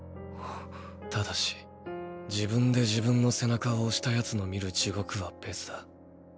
ただし自分で自分の背中を押した奴の見る地獄は別だ。